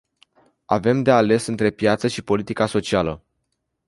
Avem de ales între piață și politica socială.